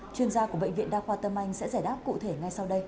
chuyên gia của bệnh viện đa khoa tâm anh sẽ giải đáp cụ thể ngay sau đây